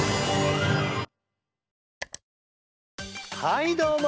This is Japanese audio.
はいどうも。